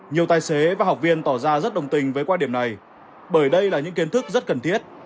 nhiều tài xế và học viên tỏ ra rất đồng tình với quan điểm này bởi đây là những kiến thức rất cần thiết